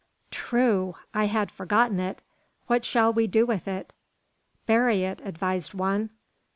"True! I had forgotten it. What shall we do with it?" "Bury it," advised one.